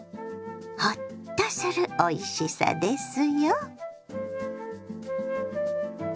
ホッとするおいしさですよ。